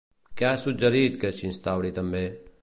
Què ha suggerit que s'instauri també?